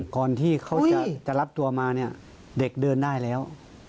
ก่อนที่เขาจะรับตัวมาเนี่ยเด็กเดินได้แล้ว